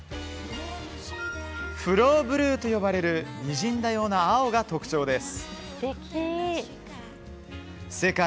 フローブルーと呼ばれるにじんだような青が特徴です。